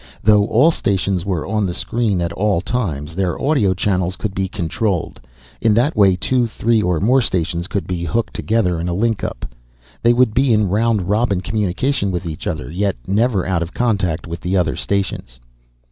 Though all stations were on the screen at all times, their audio channels could be controlled. In that way two, three or more stations could be hooked together in a link up. They would be in round robin communication with each other, yet never out of contact with the other stations.